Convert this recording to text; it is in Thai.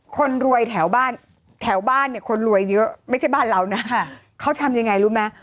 คนรวยแถวบ้านแถวบ้านเนี่ยคนรวยเยอะไม่ใช่บ้านเรานะเขาทำยังไงรู้ไหม